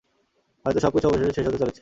হয়তো সবকিছু অবশেষে শেষ হতে চলেছে।